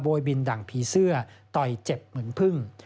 บินดั่งผีเสื้อต่อยเจ็บเหมือนพึ่ง